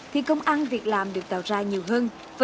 thì công ăn việc làm được tạo ra nhiều hơn